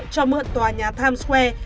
cho mượn tòa nhà times square